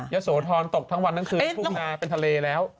ยโศทรตกทั้งวันนั้นคืนนี้ทุกพเป็นทะเลแล้ว